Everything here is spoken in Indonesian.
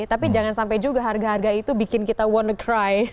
tapi jangan sampai juga harga harga itu bikin kita want to cry